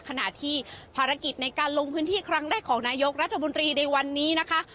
ขณะที่ภารกิจในการลงพื้นที่ครั้งแรกของนายกรัฐมนตรีในวันนี้นะคะ